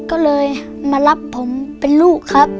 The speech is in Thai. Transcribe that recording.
ก็เลยมารับผมเป็นลูกครับ